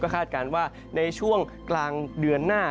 คาดการณ์ว่าในช่วงกลางเดือนหน้า